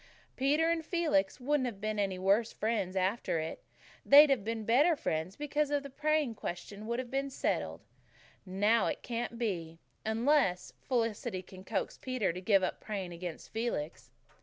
Peter and Felix wouldn't have been any worse friends after it. They'd have been better friends because the praying question would have been settled. And now it can't be unless Felicity can coax Peter to give up praying against Felix."